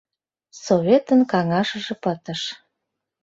Советын каҥашыже пытыш.